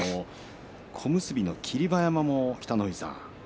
小結の霧馬山も北の富士さん